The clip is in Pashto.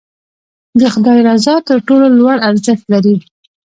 د خدای رضا تر ټولو لوړ ارزښت لري.